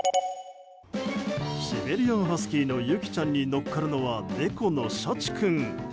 シベリアンハスキーのユキちゃんに乗っかるのは猫のしゃち君。